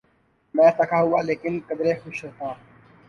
میں تھکا ہوا لیکن قدرے خوش ہوتا۔